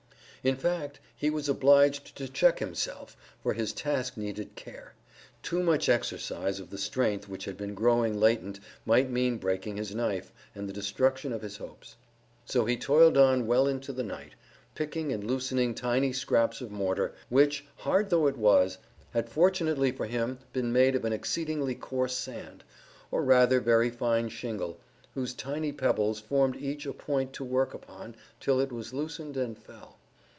In fact, he was obliged to check himself, for his task needed care. Too much exercise of the strength which had been growing latent might mean breaking his knife, and the destruction of his hopes. So he toiled on well into the night, picking and loosening tiny scraps of mortar, which, hard though it was, had fortunately for him been made of an exceedingly coarse sand, or rather very fine shingle, whose tiny pebbles formed each a point to work upon till it was loosened and fell.